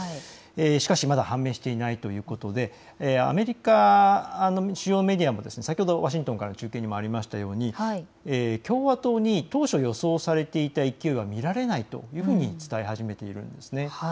しかしまだ判明していないということでアメリカの主要メディアも先ほどワシントンからの中継にもありましたように共和党に当初予想されていた勢いは見られないというふうに伝え始めているんです。